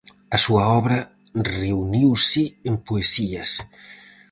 A súa obra reuniuse en Poesías.